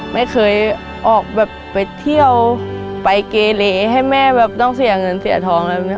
ไม่เคยออกแบบไปเที่ยวไปเกเลให้แม่แบบต้องเสียเงินเสียทองอะไรแบบนี้